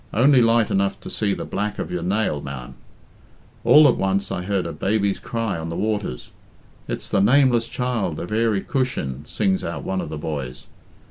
Only light enough to see the black of your nail, ma'am. All at once I heard a baby's cry on the waters. 'It's the nameless child of Earey Cushin,' sings out one of the boys.